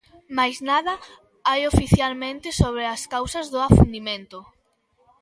Mais nada hai oficialmente sobre as causas do afundimento.